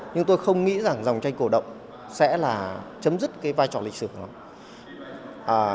nhưng tôi không nghĩ rằng dòng tranh cổ động sẽ là chấm dứt cái vai trò lịch sử của nó